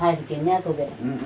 あとで。